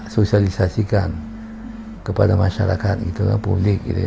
sosialisasikan kepada masyarakat gitu lah publik gitu ya